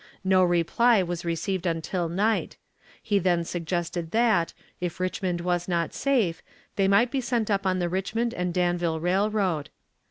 No reply was received until night; he then suggested that, if Richmond was not safe, they might be sent up on the Richmond and Danville Railroad.